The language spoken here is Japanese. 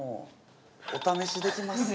「お試しできます」